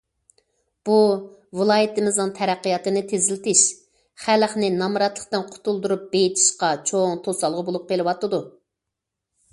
بۇ ۋىلايىتىمىزنىڭ تەرەققىياتىنى تېزلىتىش، خەلقنى نامراتلىقتىن قۇتۇلدۇرۇپ بېيىتىشقا چوڭ توسالغۇ بولۇپ قېلىۋاتىدۇ.